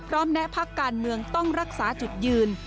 แนะพักการเมืองต้องรักษาจุดยืน